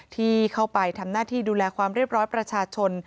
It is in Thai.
ที่เข้าไปทำหน้าที่ดูแลความเรียบร้อยประชาชน